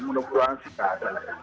menurut saya sih nggak ada